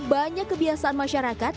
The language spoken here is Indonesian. banyak kebiasaan masyarakat